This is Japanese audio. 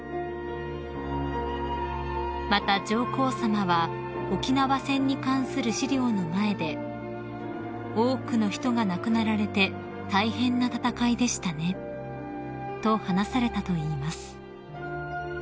［また上皇さまは沖縄戦に関する資料の前で「多くの人が亡くなられて大変な戦いでしたね」と話されたといいます］